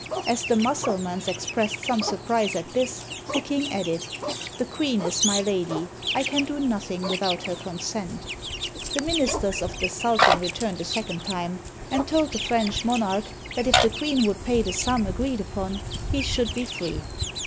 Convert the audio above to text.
As the Mussulmans expressed some surprise at this, the king added, '' The queen is my lady; I can do nothing without her consent. ^^ The minis ters of the sultan returned a second time, and told the French monarch that if the queen would pay the sum agreed upon, he should be free.